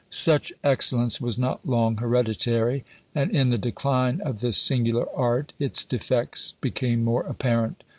Such excellence was not long hereditary, and in the decline of this singular art its defects became more apparent.